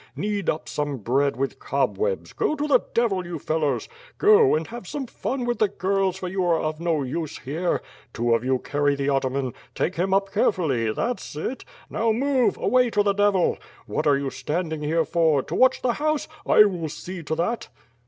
Knead up some bread with cobwebs; go to the devil, you fellows! Go, and have some fun with the girls, for you are no use here. Two of you carry the ataman; take him up carefully; that's it. No w, move, away to the devil. What are you standing here for? To watch the house? I will see to that."